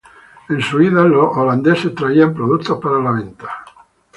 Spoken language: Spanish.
En sus idas, los neerlandeses traían productos para la venta.